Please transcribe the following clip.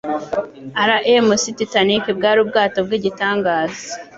RMS Titanic bwari ubwato bw'igitangaza